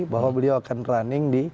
bahwa beliau akan running di